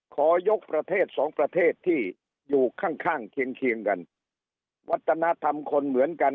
ขอยกประเทศสองประเทศที่อยู่ข้างข้างเคียงกันวัฒนธรรมคนเหมือนกัน